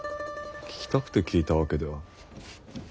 聞きたくて聞いたわけでは。